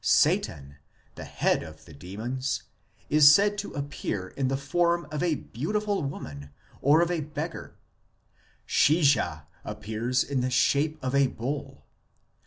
Satan, the head of the demons, is said to appear in the form of a beautiful woman, or of a beggar 6 ; Sheija appears in the shape of a bull.